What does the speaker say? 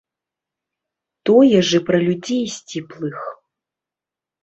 Тое ж і пра людзей сціплых.